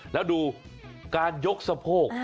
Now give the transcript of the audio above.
แล้วดูการยกสะโพก